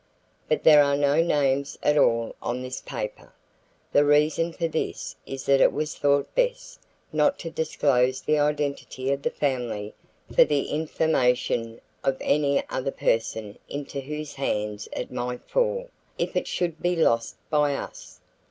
But there are no names at all on this paper. The reason for this is that it was thought best not to disclose the identity of the family for the information of any other person into whose hands it might fall, if it should be lost by us.